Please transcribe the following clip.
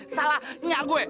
salah nyak gue